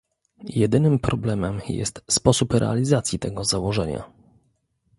Jedynym problemem jest sposób realizacji tego założenia